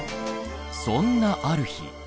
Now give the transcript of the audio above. そんなある日。